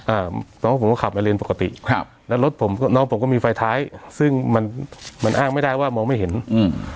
อ่าน้องผมก็ขับมาเลนปกติครับแล้วรถผมน้องผมก็มีไฟท้ายซึ่งมันมันอ้างไม่ได้ว่ามองไม่เห็นอืม